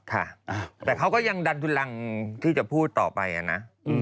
ค่ะแต่เขาก็ยังดันทุลังที่จะพูดต่อไปนะ